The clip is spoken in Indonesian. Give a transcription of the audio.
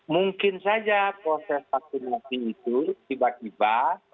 mungkin saja proses vaksinasi itu tiba tiba